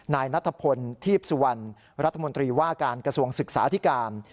นายนัทพลทีพสุวรรณรัฐมนตรีว่าการกระทรวงศึกษาธิการ